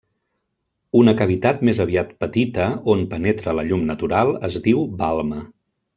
Una cavitat més aviat petita, on penetra la llum natural, es diu balma.